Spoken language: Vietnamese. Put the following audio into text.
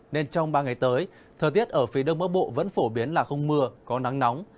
nên trong ba ngày tới thời tiết ở phía đông bắc bộ vẫn phổ biến là không mưa có nắng nóng